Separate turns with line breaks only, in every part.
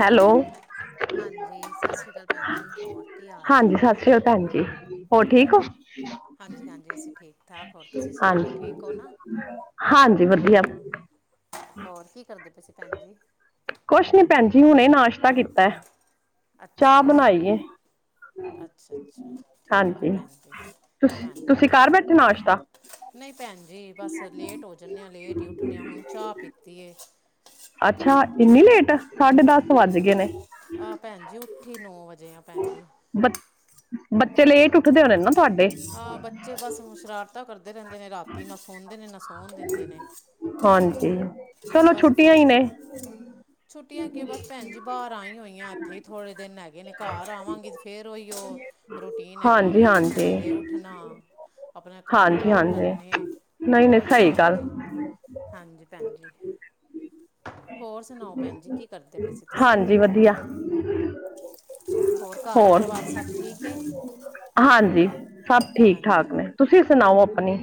Hello,
ਹਾਂਜੀ। ਸਸ੍ਰੀ ਕਾਲ ਭੈਣਜੀ, ਹੋਰ ਕੀ ਹਾਲ ਜੇ?
ਹਾਂਜੀ ਸਤਿ ਸ੍ਰੀ ਅਕਾਲ ਭੈਣ ਜੀ ਹੋਰ ਠੀਕ ਓ।
ਹਾਂਜੀ- ਹਾਂਜੀ ਅਸੀ‌ ਠੀਕ। ਠਾਕ ਹੋਰ ਤੁਸੀਂ
ਹਾਂਨ,
ਸੁਣਾਓ ਠੀਕ ਹੋ ਨਾ
ਹਾਂਜੀ ਵਦੀਆ
ਹੋਰ ਕੀ ਕਰਦੇ ਨੇ ਸੀ ਭੈਣ ਜੀ?
ਕੁਛ ਨੀ ਭੈਣ ਜੀ ਹੁਣੇ ਨਾਸ਼ਤਾ ਕੀਤਾ।
ਅੱਛਾ
ਚਾਹ
ਅੱਛਾ
ਬਣਾਈਏ।
ਅੱਛਾ ਅੱਛਾ ਠੀਕ ਹੈ
ਹਾਂਜੀ,
ਭੈਣ ਜੀ
ਤੁ ਤੁਸੀ ਕਰ ਬੈਠੇ ਨਾਸ਼ਤਾ।
ਨਈ ਭੈਣ ਜੀ, ਬਸ ਲੇਟ ਹੋ ਜਾਂਨੇ ਆ ਲੇਟ ਹੀ ਉੱਠਨੇ ਆ, ਹੁਨ ਚਾਹ ਪੀਤੀ ਏ।
ਅੱਛਾ। ਇੰਨੀ ਲੇਟ, ਸਾਢੇ ਦਸ ਵੱਜ ਗੇਨੇ
ਆ ਭੈਣ ਜੀ ਉੱਠੀ ਨੌ ਵਜੇ ਆ ਭੈਣ ਜੀ।
ਬ ਬੱਚੇ ਲੇਟ ਉਠਦੇ ਹੋਨੇ ਨਾ। ਤੁਹਾਡੇ
ਆ‌ ਬੱਚੇ ਬਸ ਸ਼ਰਾਰਤਾ ਕਰਦੇ ਰੇਂਦੇ ਨੇ। ਰਾਤੀ ਨਾ ਸੋਂਦੇ ਨੇ ਨਾ ਸੌਣ ਦਿੰਦੇ ਨੇ
ਹਾਂਜੀ। ਚਲੋ
ਬਸ
ਛੁੱਟੀਆਂ
ਫਿਰ
ਹੀ ਨੇ।
ਛੁੱਟੀਆਂ ਕੇ ਬਸ ਭੈਣ ਜੀ ਬਾਹਰ ਆਈ ਹੋਈ ਆ ਇਥੇ ਥੋੜੇ ਦਿਨ। ਘਰ ਆਵਾਂਗੀ ਫਿਰ ਉਹੀ, ਉਹ ਰੂਟੀਨ ਹੈਗਾ।
ਹਾਂਜੀ
ਉਹ
ਹਾਂਜੀ
ਸਵੇਰੇ ਉਠਣਾ। ਆਪਣਾ ਕੰਮ
ਹਾਂਜੀ
ਕਾਰ
ਹਾਂਜੀ
ਕਰਨੇ
ਨਹੀਂ ਨਹੀਂ
ਹੋਰ ਕੀ
ਸਹੀ
ਭੈਣ
ਗੱਲ
ਜੀ। ਹਾਂਜੀ। ਭੈਣਜੀ। ਹੋਰ ਸੁਣਾਓ ਭੈਣ ਜੀ ਕੀ ਕਰਦੇ ਪਏ ਸੀ ਤੁਸੀਂ।
ਹਾਂਜੀ ਵਧੀਆ
ਹੋਰ ਘਰ- ਪਰਿਵਾਰ ਸਭ ਠੀਕ।
ਹਾਂਜੀ। ਸਭ ਠੀਕ -ਠਾਕ
ਹਾਂਜੀ
ਨੇ। ਤੁਸੀਂ ਸੁਣਾਓ ਆਪਣੀ।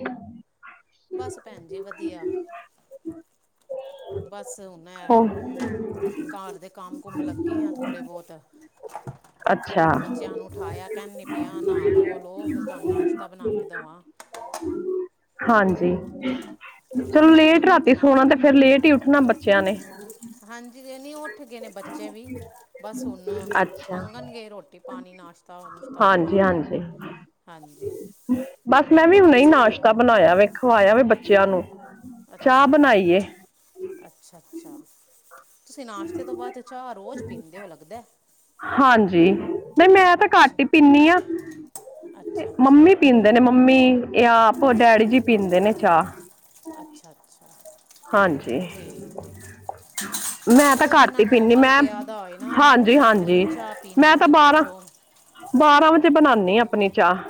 ਬਸ, ਭੈਣ ਜੀ ਵਧੀਆ। ਬਸ ਉਹਨ
ਹੋ
ਘਰ ਦੇ ਕੰਮ- ਕੁਮ ਲੱਗੀ ਆ ਥੋੜੇ- ਬਹੁਤ। ਅ, ਡ, ਅ।
ਅੱਛਾ
[inaudible] ਬੱਚਿਆਂ ਨੂੰ ਉਠਾਇਆ। ਕਹਿੰਦੀ ਪਾਈ ਨਾ, ਨਹਾ ਧੋ ਲਓ। ਫੇਰ ਤੁਹਾਨੂੰ ਨਾਸ਼ਤਾ ਬਣਾ ਕੇ ਦਵਾਂ। ਸ, ਟ। [unintelligible]
ਹਾਂਜੀ। ਚਲੋ
ਹੁਣ
ਲੇਟ
ਉੱਠਣਗੇ ਤੇ
ਰਾਤੀ ਸੋਣਾ
ਨਾਸ਼ਤਾ
ਤੇ ਫੇਰ ਲੇਟ ਹੀ ਉੱਠਣਾ ਬੱਚਿਆਂ ਨੇ।
ਹਾਂਜੀ। ਇਹ ਨਹੀਂ ਉੱਠ ਗਏ ਨੇ ਬੱਚੇ ਵੀ ਬਸ ਨ।
ਅੱਛਾ
ਮੰਗਣ ਗੇ ਰੋਟੀ- ਪਾਣੀ ਨਾਸ਼ਤਾ- ਨੁਸ਼ਤਾ
ਹਾਂਜੀ
ਖਾਣ ਨੂੰ
ਹਾਂਜੀ
ਹਾਂਜੀ
ਬਸ ਮੈਂ ਵੀ
ਹੋਰ
ਹੁਣ ਹੀ
ਤੁਸੀਂ ਸੁਣਾਓ
ਨਾਸ਼ਤਾ ਬਣਾਇਆ ਵ, ਖਵਾਇਆ ਵ, ਬੱਚਿਆਂ ਨੂੰ। ਚਾਹ
ਅੱਛਾ।
ਬਣਾਈਏ
ਸਸ, ਅੱਛਾ -ਅੱਛਾ। ਤੁਸੀਂ ਨਾਸ਼ਤੇ ਤੋਂ ਬਾਅਦ ਚਾਹ ਰੋਜ਼ ਪੀਂਦੇ ਹੋ ਲੱਗਦਾ।
ਹਾਂਜੀ ਨਾ ਨਹੀਂ ਮੈਂ ਤਾਂ
ਅੱਛਾ
ਘੱਟ ਹੀ ਪੀਦੀ ਹਾਂ। ਅ,
ਅੱਛਾ ਅੱਛਾ
ਮੰਮੀ ਪੀਂਦੇ ਨੇ ਮੰਮੀ ਜਾਂ ਆਪੋ ਡੈਡੀ ਜੀ ਪੀਂਦੇ ਨੇ ਚਾਹ।
ਆ, ਅੱਛਾ ਆ, ਅੱਛਾ
ਹਾਂਜੀ
ਛ, ਠੀਕ ਹੈ।
ਮੈਂ ਤਾਂ
ਉਹ
ਘਟ
ਜਿਨ੍ਹਾਂ
ਹੀ
ਨੂੰ
ਪੀਦੀ
ਅਮਲ
ਮੈਂ
ਪਿਆ ਦਾ ਹੋਏ ਨਾ
ਹਾਂਜੀ
ਉਹਨਾਂ ਨੇ ਤੇ ਫਿਰ
ਹਾਂਜੀ।
ਚਾਹ ਪੀਣੀ ਹੀ
ਮੈਂ ਤਾਂ
ਪੀਣੀ ਹੈ
ਬਾਰਾਂ
ਜੋ
ਬਾਰਾਂ ਵਿੱਚ ਬਣਾਉਦੀ ਆਪਣੀ ਚਾਹ।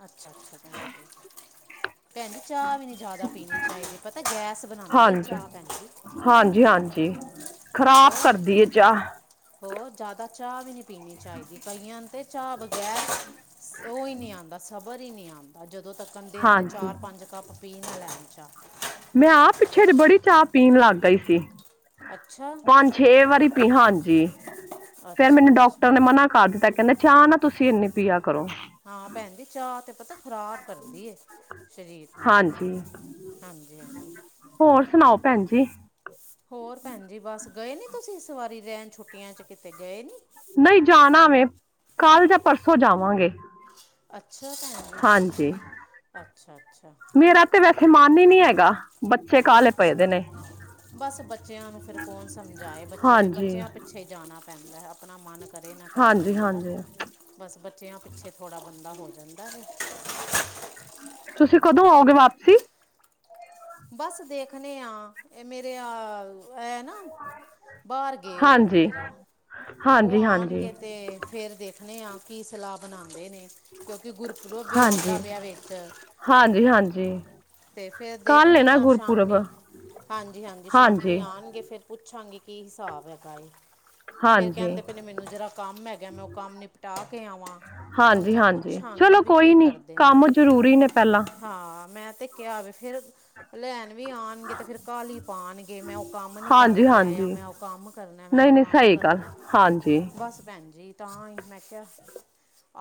ਆ, ਅੱਛਾ ਅੱਛਾ ਸ਼, ਭੈਣ ਚਾਹ ਆ, ਵੀ ਨਹੀਂ ਜ਼ਿਆਦਾ ਪੀਣੀ ਚਾਹੀਦੀ ਪਤਾ ਗੈਸ ਬਣਾਉਂਦੀ ਹੈ
ਹਾਂਜੀ
ਚਾਹ ਪੈਂਦੀ।
ਹਾਂਜੀ ਹਾਂਜੀ ਖ਼ਰਾਬ ਕਰਦੀ ਹੈ ਚਾਹ।
ਹੋਰ ਜ਼ਿਆਦਾ ਚਾਹ ਵੀ ਨਹੀ ਪੀਣੀ ਚਾਹੀਦੀ ਕਈਆਂ ਤਾਂ ਚਾਹ ਬਗੈਰ ਸਬਰ ਨਹੀ ਆਉਂਦਾ। ਬਰ ਹੀ ਨਹੀਂ ਆਉਂਦਾ ਜਦੋਂ ਤੱਕ ਦਿਨ ਦੇ
ਹਾਂਜੀ
ਚਾਰ ਪੰਜ ਕੱਪ ਕਾ ਪੀ ਨਾ ਲੈਣ ਚ।
ਮੈਂ ਆਪਹ ਪਿੱਛੇ ਜ ਬੜੀ ਚਾਹ ਪੀਣ ਲੱਗ ਗਈ ਸੀ।
ਅੱਛਾ
ਪੰਜ ਛੇ ਵਾਰੀ ਹਾਂਜੀ। ਫੇਰ
ਅੱਛਾ
ਮੈਨੂੰ
ਅੱਛਾ
ਡਾਕਟਰ ਨੇ ਮਨਾ ਕਰ ਦਿੱਤਾ ਕਹਿੰਦੇ ਚਾਹ ਨਾ ਤੁਸੀਂ ਇੰਨੀ ਪੀਆ ਕਰੋ।
ਹਾਂ ਭੈਣਜੀ ਚਾਹ ਤੇ ਪਤਾ ਖਰਾਬ ਕਰਦੀ ਸਰੀਰ ਨੂੰ।
ਹਾਂਜੀ
ਹਾਂਜੀ ਹਾਂਜੀ।
ਹੋਰ ਸੁਣਾਓ ਭੈਣ ਜੀ।
ਸੀ, ਹੋਰ ਭੈਣ ਜੀ ਬਸ ਸੀ, ਗਏ ਨੀ ਸੀ, ਸੀ ਤੁਸੀਂ ਇਸ ਵਾਰੀ ਰਹਿਣ ਛੁੱਟੀਆਂ ਸੀ, ਕਿਤੇ ਗਏ ਨੀ।
ਨਹੀਂ ਜਾਣਾ ਵੈਂ ਕੱਲ੍ਹ ਜਾਂ ਪਰਸੋਂ ਜਾਵਾਂਗੇ।
ਅੱਛਾ ਭੈਣ
ਹਾਂਜੀ
ਅੱਛਾ। ਅੱਛਾ
ਮੇਰਾ ਤੇ ਵੈਸੇ ਮਨ ਹੀ ਨਹੀਂ ਹੈਗਾ ਬੱਚੇ। ਕਾਹਲੇ ਪਏ ਦੇ
ਅੱਛਾ,
ਨੇ
ਬਸ ਬੱਚਿਆਂ ਨੂੰ, ਫਿਰ ਕੌਣ ਸਮਝਾਏ ਬੱਚੇ
ਹਾਂਜੀ
ਬੱਚਿਆਂ ਪਿੱਛੇ ਜਾਣਾ। ਪੈਂਦਾ ਪ੍, ਆਪਣਾ ਮਨ ਕਰੇ ਨਾ ਕਰੇ
ਹਾਂਜੀ
ਬੰਦੇ ਦਾ
ਹਾਂਜੀ
ਬਸ ਬੱਚਿਆਂ ਪਿੱਛੇ। ਥੋੜ੍ਹਾ ਬੰਦਾ ਹੋ ਜਾਂਦਾ ਹੈ।
ਤੁਸੀਂ ਕਦੋਂ ਆਓਗੇ ਵਾਪਸੀ।
ਬਸ, ਦੇਖਣੇ ਆ, ਇਹ ਮੇਰੇ ਆ। ਐ ਨਾ ਬਾਹਰ ਗਏ ਹੋਏ ਨੇ
ਹਾਂਜੀ
ਜਿਰਾ ਉਹ
ਹਾਂਜੀ ਹਾਂਜੀ
ਆਉਣਗੇ ਤੇ। ਫਿਰ ਦੇਖਣੇ ਹਾਂ ਕੀ ਸਲਾਹ ਬਣਾਉਂਦੇ ਨੇ। ਕਿਉਂਕਿ ਗੁਰਪੁਰਬ, ਆ ਵੀ ਆਉਂਦਾ
ਹਾਂਜੀ
ਪਿਆ ਵਿੱਚ
ਹਾਂਜੀ ਹਾਂਜੀ
ਤੇ ਫੇਿਰ ਦੇਖ।
ਕੱਲ ਏ
ਣੀ
ਨਾ
ਹਾਂ
ਗੁਰਪੁਰਬ
ਸ਼ਾਮੀ ਹਾਂਜੀ ਹਾਂਜੀ ਸ਼ਾਮੀ ਆਉਣਗੇ ਫਿਰ। ਪੁੱਛਾਂਗੇ ਕੀ ਹਿਸਾਬ ਹੈਗਾਏ। ਫੇਰ
ਹਾਂਜੀ
ਕਹਿੰਦੇ ਪਏ ਨੇ ਮੈਨੂੰ ਜਰਾ ਕੰਮ ਹੈਗਾ ਮੈਂ ਉਹ ਕੰਮ ਨਿਪਟਾ ਕੇ ਆਵਾਂ। ਹੁਣ ਮੈਂ
ਹਾਂਜੀ-ਹਾਂਜੀ
ਪੁੱਛਾਂਗੀ
ਚਲੋ
ਵੀ ਕੀ
ਕੋਈ ਨੀ
ਕਰਦੇ ਨੇ
ਕੰਮ ਜਰੂਰੀ ਨੇ ਪਹਿਲਾ।
ਹਾਂ ਮੈਂ ਤੇ ਕਿਆ ਆਵੇ ਫੇਰ ਲੈਣ। ਵੀ ਆਉਣਗੇ ਤੇ ਫੇਰ ਉਹ ਕਾਲੀ ਪਾਣਗੇ ਮੈਂ ਉਹ ਕੰਮ ਨੀ
ਹਾਂਜੀ
ਕਰਕੇ ਆਇਆ
ਹਾਂਜੀ
ਮੈਂ ਉਹ ਕੰਮ ਕਰਨਾ ਮੈਂ ਉਹ
ਨਹੀਂ ਨਹੀਂ
ਕੰਮ।
ਸਹੀ ਗੱਲ
ਕਰਨਾ
ਹਾਂਜ।
ਬਸ ਭੈਣ ਜੀ। ਤਾਂ ਹੀ ਮੈਂ ਕਿਹਾ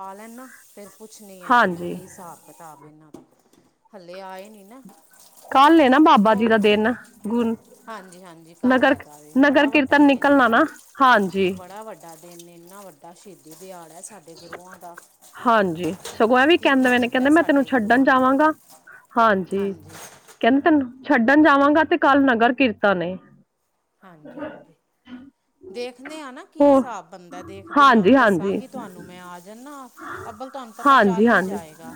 ਆ ਲੈਣ ਨਾ ਫਿਰ ਪੁਛ ਨਹੀਂ ਹੈਗੀਆਂ ਆ
ਹਾਂਜੀ
ਕੀ ਹਿਸਾਬ ਕਿਤਾਬ। ਹਲੇੇ ਆਏ ਨੀ ਨਾ।
ਕੱਲ ਨੇ ਨਾ ਬਾਬਾ ਜੀ ਦਾ ਦਿਨ ਗੁਣ।
ਹਾਂਜੀ-ਹਾਂਜੀ ਕੱਲ ਲੈਗਾ ਵੇ ਬੜਾ ਵੱਡਾ
ਕੀਰਤਨ
ਦਿਨ
ਨਿਕਲਣਾ
ਏ
ਨਾ ਹਾਂਜੀ
ਬੜਾ ਵੱਡਾ। ਇਨਾ ਵੱਡਾ ਸ਼ਹੀਦੀ ਦਿਆ।
ਹਾਂਜੀ ਸਗੋਂ ਐ ਵੀ
ਕੀ ਕੀ
ਕਹਿੰਦੇ ਮ ਨੇ
ਕੀਤਾ
ਕਹਿੰਦੇ ਮੈਂ ਤੈਨੂੰ
ਸਾਡੇ
ਛੱਡਣ
ਗੁਰੂਆਂ ਨੇ
ਜਾਵਾਂਗਾ। ਹਾਂਜੀ ਕਹਿੰਦੇ ਤੈਨੂੰ ਛੱਡਣ ਜਾਵਾਂਗਾ ਤੇ ਕੱਲ ਨਗਰ ਕੀਰਤਨ ਨੇ।
ਹਾਂਜੀ-ਹਾਂਜੀ ਦੇਖ। ਦੇਖਨੇ ਹਾਂ ਨਾ ਕੀ
ਹੋਰ
ਹਿਸਾਬ ਬੰਦਾ ਦੇਖਦੇ ਹਾਂ
ਹਾਂਜੀ ਹਾਂਜੀ
ਦੱਸਾਂਗੀ ਤੁਹਾਨੂੰ ਮੈਂ ਆ ਜਾਂਦਾ ਅੱਬਲ ਤੁਹਾਨੂੰ ਪਤਾ। ਚੱਲ ਹੀ ਜਾਏਗਾ।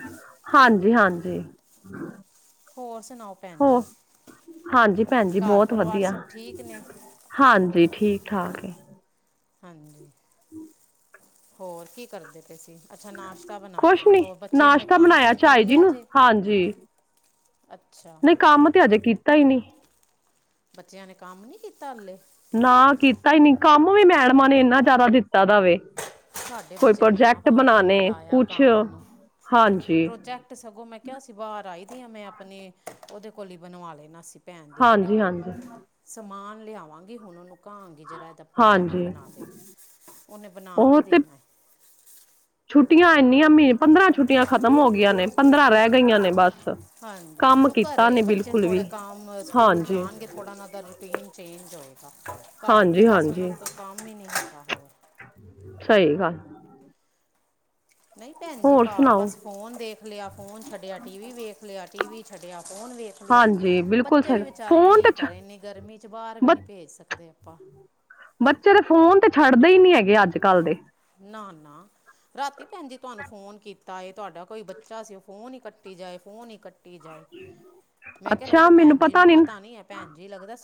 ਹਾਂਜੀ-ਹਾਂਜੀ
ਹੋਰ ਸੁਣਾਓ ਭੈਣ ਜੀ।
ਹਾਂਜੀ ਭੈਣ ਜੀ
ਘਰ
ਬਹੁਤ
ਪਰਿਵਾਰ
ਵਧੀਆ
ਸਭ ਠੀਕ ਨੇ
ਹਾਂਜੀ ਠੀਕ-ਠਾਕ ਏ।
ਹਾਂਜੀ।
ਹਮ
ਹੋਰ ਕੀ ਕਰਦੇ ਅੱਛਾ ਨਾਸ਼ਤਾ ਬਣਾਇਆ
ਕੁਛ
ਵੇ
ਨੀ
ਹੋਰ ਬੱਚਿਆਂ ਨੇ
ਨਾਸ਼ਤਾ ਬਣਾਇਆ
ਕੰਮ-ਕੁਮ ਕਰ
ਝਾਈ ਜੀ
ਲਿਆ
ਨੂੰ
ਜੇ।
[inaudible]
ਅੱਛਾ
ਨਹੀਂ ਕੰਮ ਤੇ ਹਜੇ ਕੀਤਾ ਹੀ ਨੀ।
ਬੱਚਿਆਂ ਨੇ ਕੰਮ ਨੀ ਕੀਤਾ ਹਲੇ।
ਨਾ ਕੀਤਾ ਹੀ ਨੀ ਕੰਮ ਵੀ ਮੈਡਮਾਂ ਨੇ ਇੰਨਾ ਜ਼ਿਆਦਾ ਦਿੱਤਾ ਦਾ ਵੇ।
ਸਾਡੇ
ਕੋਈ
ਬੱਚਿਆਂ ਨੇ ਆਪ
ਪ੍ਰੋਜੈਕਟ
ਹੱਥ
ਬਣਾਣੇ
ਨੀ ਲਾਇਆ
ਕੁਛ
ਕੰਮ ਨੂੰ।
ਹਾਂਜੀ
ਪ੍ਰੋਜੈਕਟ ਸਗੋਂ ਮੈਂ ਕਿਹਾ ਸੀ ਬਾਹਰ ਆਈ ਮੈਂ ਆਪਣੀ ਉਹਦੇ ਕੋਲ ਹੀ ਬਣਵਾ ਲੈ ਨਾ ਭੈਣ ਦੀ ਕੁੜੀ
ਹਾਂਜੀ
ਕੋਲ
ਹਾਂਜੀ
ਸਮਾਨ ਲਿਆਵਾਂਗੀ ਹੁਣ ਉਹਨੂੰ ਕਾਂਗੀ ਜਿਹੜਾ ਇਹਦਾ ਪ੍ਰੋਜੈਕਟ
ਹਾਂਜੀ
ਬਣਾ ਤੇ ਉਹਨੇ ਬਨਾ
ਉਹ
ਵੀ
ਤੇ
ਦੇਣਾ ਹੈ।
ਛੁੱਟੀਆਂ ਇੰਨੀਆਂ ਮਹੀਨੇ ਪੰਦਰਾਂ ਛੁੱਟੀਆਂ ਖਤਮ ਹੋ ਗਈਆਂ ਨੇ ਪੰਦਰਾਂ ਰਹਿ ਗਈਆਂ ਨੇ ਬਸ।
ਹਾਂਜੀ
ਕੰਮ
ਸ਼ੁਕਰ
ਕੀਤਾ
ਏ
ਨੀ
ਬੱਚੇ
ਬਿਲਕੁਲ ਵੀ
ਥੋੜੇ ਕੰਮ ਸਕੂਲ
ਹਾਂਜੀ
ਜਾਣਗੇ ਥੋੜਾ ਦਾ ਰੂਟੀਨ ਚੇਂਜ ਘਰ ਤੇ
ਹਾਂਜੀ
ਬਸ ਉਹਨਾਂ
ਹਾਂਜੀ
ਨੂੰ ਕੋਈ ਕੰਮ ਹੀ ਨਹੀਂ ਹੁੰਦਾ ਹੋਰ।
ਸਹੀ ਗੱਲ।
ਨਹੀਂ ਭੈਣ ਜੀ
ਹੋਰ
ਘਰ
ਸੁਣਾਓ
ਬਸ ਫੋਨ ਦੇਖ ਲਿਆ ਫੋਨ ਛੱਡਿਆ ਟੀ ਵੀ ਵੇਖ ਲਿਆ ਟੀ ਵੀ ਛੱਡਿਆ ਫੋਨ ਵੇਖ ਲਿਆ
ਹਾਂਜੀ ਬਿਲਕੁਲ
ਬੱਚੇ ਵੀ
ਸਹੀ
ਵਿਚਾਰੇ
ਫੋਨ
ਕੀ
ਤੇ ਛ
ਕਰੇ ਇੰਨੀ ਗਰਮੀ ਚ ਬਾਹਰ ਵੀ
ਬ
ਨੀ ਭੇਜ ਸਕਦੇ। [inaudible]
ਬੱਚੇ ਦੇ ਫੋਨ ਤੇ ਛੱਡਦੇ ਹੀ ਨੀ ਹੈਗੇ ਅੱਜ ਕੱਲ ਦੇ।
ਨਾ-ਨਾ ਰਾਤੀ ਭੈਣ ਜੀ ਤੁਹਾਨੂੰ ਫੋਨ ਕੀਤਾ ਹੈ ਤੁਹਾਡਾ ਕੋਈ ਬੱਚਾ ਸੀ ਉਹ ਫੋਨ ਹੀ ਕੱਟੀ ਜਾਏ ਫੋਨ ਹੀ
ਅੱਛਾ ਮੈਨੂੰ ਪਤਾ ਨੀ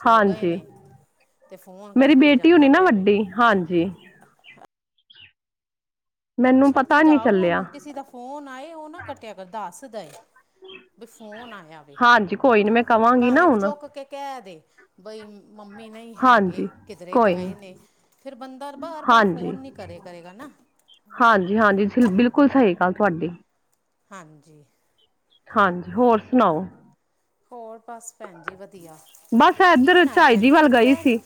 ਹਾਂਜੀ
[inaudible] ਫੋਨ
ਮੇਰੀ
ਕੱਟੀ
ਬੇਟੀ ਹੋਣੀ
ਜਾਂਦਾ
ਨਾ
ਪਿਆ ਵੇ
ਵੱਡੀ ਹਾਂਜੀ। ਮੈਨੂੰ
ਅੱਛਾ
ਪਤਾ ਨੀ
ਸਮਝਾਓ
ਚੱਲਿਆ
ਉਹਨੂੰ ਕਿਸੇ ਦਾ ਫੋਨ ਆਏ ਉਹ ਨਾ ਕੱਟਿਆ ਕਰ ਦੱਸ ਦਏ। ਬ ਫੋਨ ਆਇਆ ਵੇ
ਹਾਂਜੀ ਕੋਈ ਨੀ ਮੈਂ ਕਵਾਂਗੀ ਨਾ
ਭਾਵੇਂ
ਹੁਣ
ਚੁੱਕ ਕੇ ਕਹਿ ਦੇ। ਬਈ ਮੰਮੀ ਨਹੀਂ
ਹਾਂਜੀ
ਹੈਗੇ ਕਿਧਰੇ
ਕੋਈ ਨੀ
ਗਏ ਨੇ। ਫਿਰ ਬੰਦਾ ਬਾਰ ਬਾਰ ਫੋਨ ਨੀ ਕਰੇ ਕਰੇਗਾ ਨਾ।
ਹਾਂਜੀ-ਹਾਂਜੀ ਬਿਲਕੁਲ ਸਹੀ ਗੱਲ ਤੁਹਾਡੀ।
ਹਾਂਜੀ
ਹਾਂਜੀ ਹੋਰ ਸੁਣਾਓ
ਹੋਰ ਬਸ ਭੈਣ ਜੀ ਵਧੀਆ
ਬਸ
ਕੀ
ਇੱਧਰ
ਬਣਾਇਆ
ਝਾਈ
ਭੈਣ ਜੀ ਫਿਰ
ਵੱਲ ਗਈ
ਦੁਪਹਿਰੇ
ਸੀ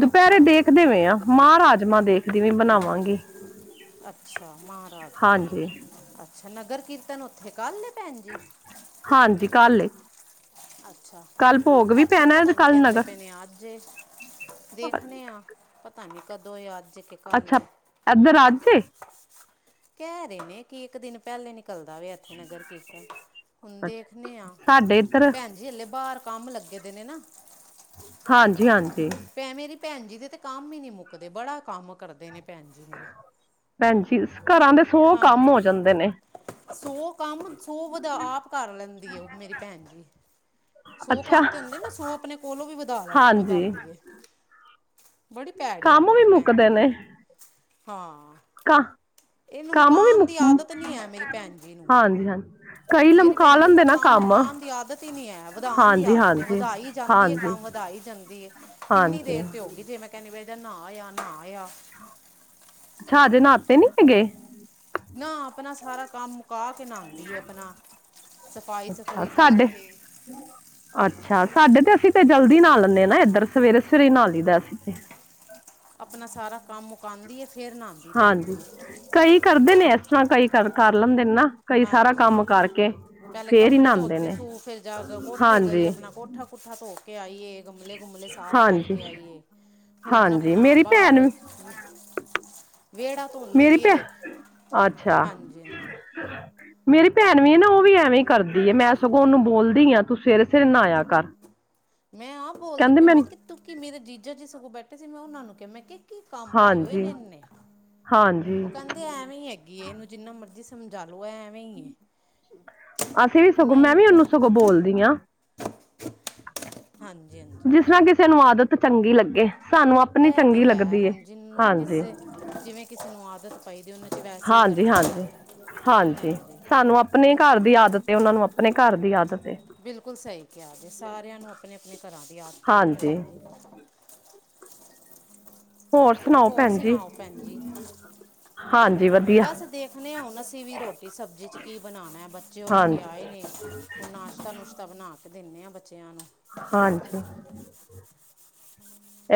ਦੁਪਹਿਰੇ
ਅੱਛਾ
ਦੇਖਦੇ ਪਏ ਆ ਮਾਹ ਰਾਜ ਮਾਂ ਦੇਖਦੀ ਵੀ ਬਣਾਵਾਂਗੀ
ਅੱਛਾ ਮਾਂਹ ਰਾਜਮਾਂ
ਹਾਂਜੀ
ਅੱਛਾ ਨਗਰ ਕੀਰਤਨ ਉੱਥੇ ਕੱਲ੍ਹ ਭੈਣ ਜੀ
ਹਾਂਜੀ ਕੱਲ
ਅੱਛਾ
ਕੱਲ ਭੋਗ ਵੀ
ਇੱਥੇ
ਪੈਣਾ ਤੇ
ਪਤਾ ਨੀ
ਕੱਲ
ਕਹਿੰਦੇ ਪਏ
ਨਗਰ
ਨੇ ਅੱਜੇ ਦੇਖਣੇ ਆ ਪਤਾ ਨੀ ਕਦੋਂ ਯਾਰ
ਅੱਛਾ ਇਧਰ ਅੱਜ ਐ
ਕਹਿ ਰਹੇ ਨੇ ਕਿ ਇੱਕ ਦਿਨ ਪਹਿਲੇ ਨੇ ਨਿਕਲਦਾ ਵੇ ਇੱਥੇ ਨਗਰ ਕੀਰਤਨ ਹੁਣ
ਅੱਛਾ
ਦੇਖਣੇ ਆ
ਸਾਡੇ ਇੱਧਰ
ਭੈਣ ਜੀ ਹੱਲੇ ਬਾਹਰ ਕੰਮ ਲੱਗੇ ਦੇ ਨੇ ਨਾ
ਹਾਂਜੀ- ਹਾਂਜੀ
ਭੈ ਮੇਰੀ ਭੈਣ ਜੀ ਦੇ ਤੇ ਕੰਮ ਹੀ ਨੀ ਮੁੱਕਦੇ ਬੜਾ ਕੰਮ ਕਰਦੇ ਨੇ ਭੈਣ ਜੀ ਮੇਰੇ
ਭੈਣ ਜੀ ਸੋ ਕੰਮ
ਹਾਂਜੀ
ਹੋ ਜਾਂਦੇ ਨੇ
ਸੌ ਕੰਮ ਸੋ ਵਧ ਆਪ ਕਰ ਲੈਂਦੀ ਹੈ ਉਹ ਮੇਰੀ ਭੈਣ ਜੀ ਸੌ
ਅੱਛਾ
ਕੰਮ ਤੇ ਹੁੰਦੇ ਨਾ ਸੌ ਆਪਣੇ ਕੋਲੋਂ ਵੀ ਵਧਾ ਲੈ
ਹਾਂਜੀ
ਵਧਾਉਂਦੀ ਹੈ। ਬੜੀ
ਕੰਮ
ਆਦਤ
ਵੀ
ਹੈ ਭੈਣ
ਮੁੱਕਦੇ
ਜੀ ਦੀ
ਨੇ
ਹਾਂ
ਕ
ਇਹਨੂੰ
ਕੰਮ ਵੀ
ਮੁਕਾਨ
ਮੁੱਕ
ਦੀ ਆਦਤ ਨਹੀਂ ਹੈ ਮੇਰੀ ਭੈਣ ਜੀ ਨੂੰ।
ਹਾਂਜੀ ਹਾਂਜੀ। ਕਈ
ਮੇਰੀ
ਲਮਕਾ
ਭੈਣ ਦੀ ਨਾ
ਲੈਂਦੇ
ਕੰਮ ਮੁਕਾਣ ਦੀ ਆਦਤ ਹੀ ਨੀ ਏ, ਵਧਾਣ ਦੀ
ਹਾਂਜੀ
ਆਦਤ ਏ
ਹਾਂਜੀ
ਵਧਾਈ ਜਾਂਦੀ ਐ,
ਹਾਂਜੀ
ਕੰਮ ਵਧਾਈ ਹੀ ਜਾਂਦੀ ਐ। ਕਿੰਨੀ
ਹਾਂਜੀ
ਦੇਰ ਤੇ ਹੋਗੀ ਜੇ ਮੈਂ ਕਹਿੰਦੀ ਪੀ ਜੇ ਨਹਾ ਆਇਆ, ਨਹਾ ਆਇਆ
ਅੱਛਾ, ਹਜੇ ਨਹਾਤੇ ਨੀ ਸੀਗੇ।
ਨਾ ਆਪਣਾ ਸਾਰਾ ਕੰਮ ਮੁਕਾ ਕੇ ਨਾਤੀ ਆ ਆਪਣਾ, ਸਫ਼ਾਈ
ਅੱਛਾ
ਸਫੂਈ
ਸਾਡੇ
ਕਰਕੇ
ਅੱਛਾ ਸਾਡੇ ਤੇ ਅਸੀਂ ਤੇ ਜਲਦੀ ਨਾਅ ਲੈਂਦੇ ਹਾਂ ਨਾ ਇਧਰ ਸਵੇਰੇ-ਸਵੇਰੇ ਹੀ ਨਹਾ ਲਈ ਦਾ ਅਸੀਂ ਤੇ
ਆਪਣਾ ਸਾਰਾ ਕੰਮ ਮੁਕਾਦੀ ਏ
ਹਾਂਜੀ, ਕਈ ਕਰਦੇ ਨੇ ਇਸ ਤਰ੍ਹਾਂ ਕਈ ਕਰ ਕਰ ਲੈਂਦੇ ਨੇ ਨਾ ਕਈ ਸਾਰਾ
ਹਾਂਜੀ,
ਕੰਮ ਕਰਕੇ
ਪਹਿਲੇ
ਫੇਰ ਹੀ
ਕੱਪੜੇ
ਨਹਾਉਂਦੇ
ਧੋਤੇ
ਨੇ
ਸੂ ਫਿਰ ਜਾ ਕੇ ਕੋਠੇ ਗਈ
ਹਾਂਜੀ
ਆਪਣਾ ਕੋਠਾ ਕੁੁੱਠਾ ਧੋ ਏ ਗਮਲੇ-ਗੁਮਲੇ ਸਾਫ਼
ਹਾਂਜੀ
ਕਰਕੇ ਆਈਏ ਹੁਣ
ਹਾਂਜੀ
ਆਪਣਾ
ਮੇਰੀ ਭੈਣ
ਬਾਹਰ
ਵੀ
ਵਿਹੜਾ ਧੋਂਦੀ
ਮੇਰੀ ਭੈ
ਪਏ ਐ,
ਅੱਛਾ
ਹਾਂਜੀ।
ਮੇਰੀ ਭੈਣ ਵੀ ਏ ਨਾ ਉਹ ਵੀ ਐਵੇਂ ਹੀ ਕਰਦੀ ਐਂ, ਮੈਂ ਸਗੋਂ ਉਹਨੂੰ ਬੋਲਦੀ ਆ। ਤੂੰ ਸਵੇਰੇ-ਸਵੇਰੇ ਨਾਂਆ ਕਰ,
ਮੈਂ ਆਪ ਬੋਲਦੀ
ਕਹਿੰਦੇ
ਪਈ ਮੈਂ
ਮੈਨੂੰ
ਕਿ ਤੂੰ ਕੀ ਮੇਰੇ ਜੀਜਾ ਜੀ ਸਗੋਂ ਬੈਠੇ ਸੀ, ਮੈਂ ਉਹਨਾਂ ਨੂੰ ਕਿਹਾ ਮੈਂ ਕਿਹਾ ਕੀ ਕੰਮ ਪਾਇਓ
ਹਾਂਜੀ
ਇਹਨੇ ਇਨੇ,
ਹਾਂਜੀ
ਉਹ ਕਹਿੰਦੇ ਐਵੇਂ ਹੈਗੀ ਇਹਨੂੰ ਜਿੰਨਾ ਮਰਜੀ ਸਮਝਾਲੋ
ਅਸੀਂ ਵੀ ਸਗੋਂ
ਇਹਨੇ
ਮੈਂ
ਆਈ
ਵੀ
ਕਰ
ਉਹਨੂੰ ਸਗੋਂ ਬੋਲਦੀ ਹਾਂ।
ਹਾਂਜੀ ਹਾਂਜੀ
ਜਿਸ ਤਰ੍ਹਾਂ ਕਿਸੇ ਨੂੰ ਆਦਤ ਚੰਗੀ ਲੱਗੇ। ਸਾਨੂੰ ਆਪਣੀ
ਇਹ ਤੇ
ਚੰਗੀ
ਹੈ
ਲੱਗਦੀ ਏ
ਹੁਣ ਜਿਹਨੂੰ
ਹਾਂਜੀ
ਕਿਸੇ ਜਿਵੇਂ ਕਿਸੇ ਨੂੰ ਆਦਤ ਪਾਈਦੀ ਉਹ
ਹਾਂਜੀ-ਹਾਂਜੀ-ਹਾਂਜੀ
ਹਾਂਜੀ
ਸਾਨੂੰ ਆਪਣੇ ਘਰ ਦੀ ਆਦਤ ਤੇ ਉਹਨਾਂ ਨੂੰ ਆਪਣੇ ਘਰ ਦੀ ਆਦਤ। ਏ
ਬਿਲਕੁਲ ਸਹੀ ਕਿਹਾ ਜੀ ਸਾਰਿਆਂ ਨੂੰ ਆਪਣੇ ਆਪਣੇ ਘਰਾਂ ਦੀ ਆਦਤਾਂ ਹੁੰਦੀਆਂ
ਹਾਂਜੀ
ਭੈਣ ਜੀ।
ਹੋਰ ਸੁਣਾਓ
ਹੋਰ
ਭੈਣ ਜੀ
ਸੁਣਾਓ, ਭੈਣ ਜੀ।
ਹਾਂਜੀ ਵਧਿ
ਬਸ ਦੇਖਣੇ ਆ ਹੁਣ, ਅਸੀਂ ਵੀ ਰੋਟੀ ਸਬਜ਼ੀ ਚ ਕੀ ਬਣਾਣਾ ਬੱਚੇ ਉੱਠ
ਹਾਂਜੀ
ਕੇ ਆਏ ਨੇ ਹੁਣ ਨਾਸ਼ਤਾ ਨੁਸ਼ਤਾ ਬਣਾ ਕੇ ਦਿੰਦੇ ਹਾਂ ਬੱਚਿਆਂ ਨੂੰ
ਹਾਂਜੀ।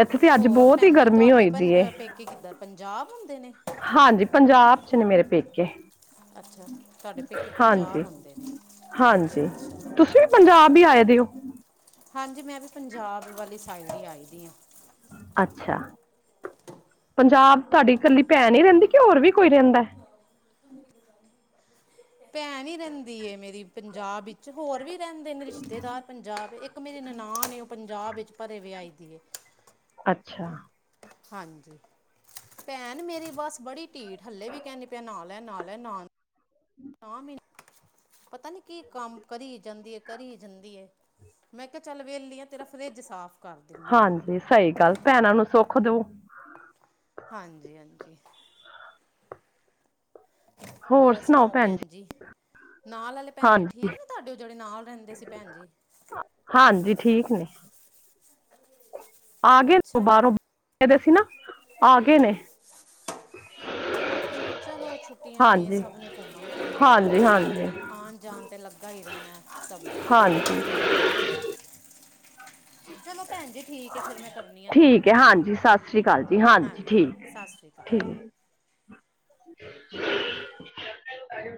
ਇੱਥੇ ਤੇ ਅੱਜ
ਹੋਰ
ਬਹੁਤ ਹੀ
ਭੈਣ ਜੀ,
ਗਰਮੀ
ਤੁਹਾਡੇ
ਹੋਈ
ਪੰਜ
ਦੀ ਏ
ਪੇਕੇ ਕਿੱਧਰ ਪੰਜਾਬ ਨੇ
ਹਾਂਜੀ, ਪੰਜਾਬ ਚ ਨੇ ਮੇਰੇ ਪੇਕੇ
ਅੱਛਾ, ਤਾਡੇ ਪੇਕੇ
ਹਾਂਜੀ
ਪੰਜਾਬ ਆਉਂਦੇ ਨੇ
ਹਾਂਜੀ
ਅੱਛਾ-ਅੱਛਾ।
ਤੁਸੀਂ ਵੀ ਪੰਜਾਬ ਹੀ ਆਏ ਦੇ ਉ
ਹਾਂਜੀ, ਮੈਂ ਵੀ ਪੰਜਾਬ ਵਾਲੀ ਸਾਈਡ ਹੀ ਆਈ ਦੀ ਹਾਂ।
ਅੱਛਾ ਪੰਜਾਬ ਤੁਹਾਡੀ ਇਕੱਲੀ ਭੈਣ ਹੀ ਰਹਿੰਦੀ ਕਿ ਹੋਰ ਵੀ ਕੋਈ ਰਹਿੰਦਾ।
ਭੈਣ ਹੀ ਰਹਿੰਦੀ ਏ ਮੇਰੀ ਪੰਜਾਬ ਵਿੱਚ ਹੋਰ ਵੀ ਰਹਿੰਦੇ ਨੇ ਰਿਸ਼ਤੇਦਾਰ ਪੰਜਾਬ ਇੱਕ ਮੇਰੀ ਨਨਾਹ ਨੇ ਉਹ ਪੰਜਾਬ ਵਿੱਚ ਭਰੇ ਵਿਆਈ ਦੀ ਏ
ਅੱਛਾ।
ਹਾਂਜੀ। ਭੈਣ ਮੇਰੀ ਬੱਸ ਬੜੀ ਢੀਠ, ਹੱਲੇ ਵੀ ਕਹਿੰਦੀ ਪਿਆ ਨਾਹ ਲੈ ਨਾਹ ਲੈ ਨ ਪਤਾ ਨੀ ਕੀ ਕੰਮ ਕਰੀ ਜਾਂਦੀ ਏ, ਕਰੀ ਜਾਂਦੀ ਐ। ਮੈਂ ਕਿਹਾ ਚੱਲ ਵਿਹਲੀ ਆ ਤੇਰਾ ਫਰਿਜ ਸਾਫ਼ ਕਰ ਦਿੰਨੀ ਆ
ਹਾਂਜੀ, ਸਹੀ ਗੱਲ ਭੈਣਾਂ ਨੂੰ ਸੁੱਖ ਦਊ।
ਹਾਂਜੀ-ਹਾਂਜੀ। ਹੋਰ ਸੁਣਾਓ, ਭੈਣ ਜੀ। ਨਾਲ ਆਲੇ ਭੈਣ ਜੀ
ਹਾਂਜੀ
ਠੀਕ ਨੇ ਤੁਹਾਡੇ ਉਹ ਜਿਹੜੇ ਨਾਲ ਰਹਿੰਦੇ ਸੀ ਭੈਣ ਜੀ।
ਹਾਂਜੀ ਠੀਕ ਨੇ ਆ ਗਏ ਨੇ
ਅੱਛਾ
ਬਾਹਰੋਂ, ਗਏ ਦੇ ਸੀ ਨਾ, ਆ ਗਏ ਨੇ।
[inaudible] ਅੱਛਾ, ਚਲੋ ਛੁੱਟੀਆਂ ਨੇ
ਹਾਂਜੀ
ਸਭ ਨੇ ਘੁੰਮਣ ਫਿਰਨ ਜਾਣਾ
ਹਾਂਜੀ ਹਾਂਜੀ
ਆਣ ਜਾਣ ਤ ਤੇ ਲਗ ਲੱਗਾ ਈ ਰਹਿਣਾ ਸਭ ਦਾ।
ਹਾਂਜੀ
[inaudible] ਚਲੋ, ਭੈਣ ਜੀ ਠੀਕ ਹੈ ਫਿਰ ਮੈਂ ਕਰਨੀ ਆ
ਠੀਕ
ਤੁਹਾਨੂੰ
ਹੈ ਹਾਂਜੀ ਸਤਿ ਸ੍ਰੀ ਅਕਾਲ ਜੀ
ਹਾਂਜੀ,
ਠੀਕ
ਸਤਿ ਸ੍ਰੀ ਅਕਾਲ।
ਠੀਕ
[inaudible]
[unintelligible]